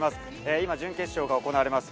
今、準決勝が行われます